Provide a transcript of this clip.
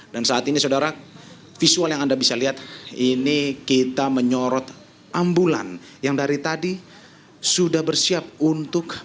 saat ini saudara visual yang anda bisa lihat ini kita menyorot ambulan yang dari tadi sudah bersiap untuk